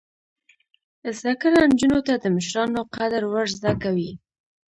زده کړه نجونو ته د مشرانو قدر ور زده کوي.